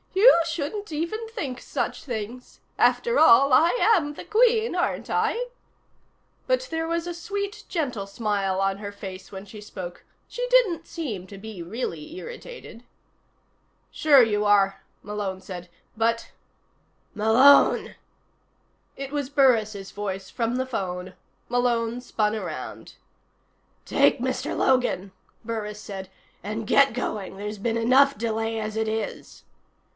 "You shouldn't even think such things. After all, I am the Queen, aren't I?" But there was a sweet, gentle smile on her face when she spoke; she didn't seem to be really irritated. "Sure you are," Malone said. "But " "Malone!" It was Burris' voice, from the phone. Malone spun around. "Take Mr. Logan," Burris said, "and get going. There's been enough delay as it is."